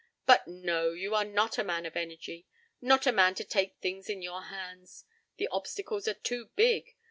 "But, no, you are not a man of energy, not a man to take things in your hands. The obstacles are too big.